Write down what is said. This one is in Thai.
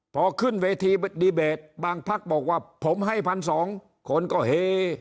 พอขึ้นเวทีดีเบตบางภักดิ์บอกว่าผมให้พันสองคนก็เฮ